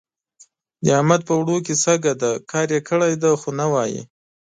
د احمد په اوړو کې شګه ده؛ کار يې کړی دی خو نه وايي.